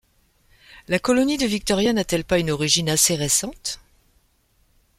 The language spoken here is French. La colonie de Victoria n’a-t-elle pas une origine assez récente ?